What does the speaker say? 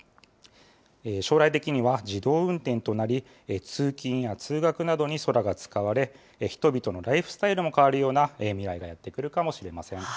将来的には自動運転となり、通勤や通学などに空が使われ、人々のライフスタイルも変わるような未来がやってくるかもしれません。